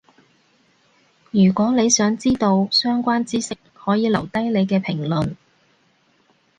如果你想知到相關智識，可以留低你嘅評論